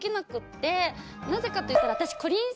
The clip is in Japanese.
なぜかといったら。